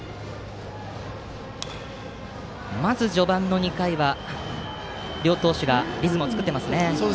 まず序盤２回は両投手がリズムを作っていますね。